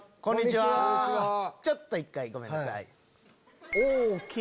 ちょっと１回ごめんなさい。